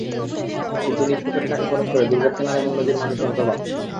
কিন্তু নিজ পকেটের টাকা খরচ করে দুর্ভোগ কেনার এমন নজিরে মানুষ হতবাক।